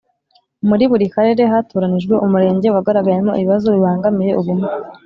Muri buri Karere hatoranijwe Umurenge wagaragayemo ibibazo bibangamiye ubumwe